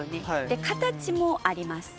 で形もあります。